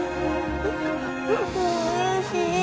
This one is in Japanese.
おいしい。